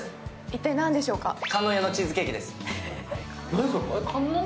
一体何でしょうか？